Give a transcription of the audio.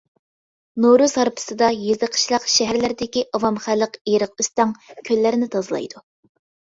نورۇز ھارپىسىدا يېزا-قىشلاق، شەھەرلەردىكى ئاۋام خەلق ئېرىق-ئۆستەڭ، كۆللەرنى تازىلايدۇ.